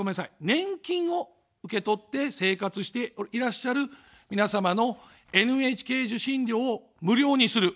年金を受け取って生活をしていらっしゃる皆様のＮＨＫ受信料を無料にする。